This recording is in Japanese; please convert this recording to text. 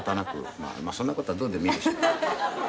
まあそんな事はどうでもいいでしょう。